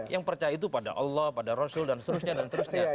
yang percaya itu pada allah pada rasul dan seterusnya dan seterusnya